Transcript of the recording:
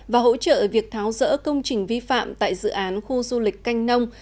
và hỗ trợ việc tháo rỡ công trình vi phạm tại dự án khu du lịch canh nông